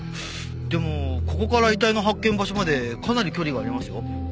でもここから遺体の発見場所までかなり距離がありますよ。